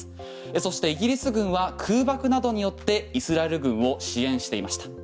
そしてイギリス軍は空爆などによってイスラエル軍を支援していました。